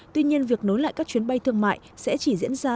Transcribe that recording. tuy nhiên việc nối lại các chuyến bay thương mại sẽ chỉ diễn ra